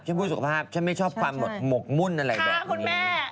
พูดสุขภาพฉันไม่ชอบความหมกมุ่นอะไรแบบนี้